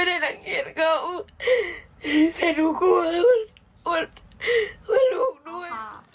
นางเนียนเขาเป็นครูกลวย